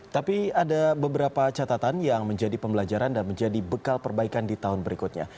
tapi ada beberapa catatan yang menjadi pembelajaran dan menjadi bekal perbaikan di tahun berikutnya